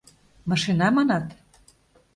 Машина, манат?